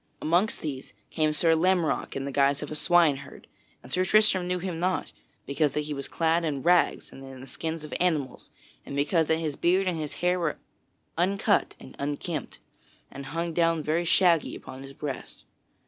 Amongst these came Sir Lamorack in the guise of a swineherd, and Sir Tristram knew him not, because that he was clad in rags and in the skins of animals and because that his beard and his hair were uncut and unkempt, and hung down very shaggy upon his breast.